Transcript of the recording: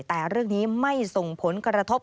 แต่เรื่องนี้ไม่ส่งผลกระทบ